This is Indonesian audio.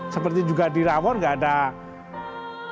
seperti juga di rawon tidak ada setan